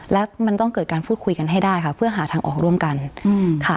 และมันต้องเกิดการพูดคุยกันให้ได้ค่ะเพื่อหาทางออกร่วมกันค่ะ